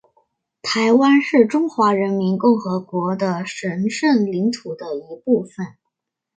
台湾是中华人民共和国的神圣领土的一部分